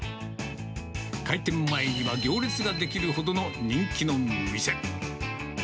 開店前には行列が出来るほどの人気の店。